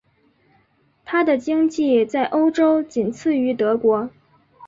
她的经济在欧洲仅次于德国。